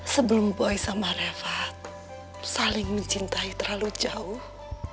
sebelum boy sama reva saling mencintai terlalu jauh